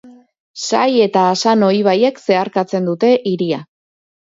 Sai eta Asano ibaiek zeharkatzen dute hiria.